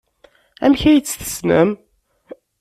Amek ay tt-tessnem?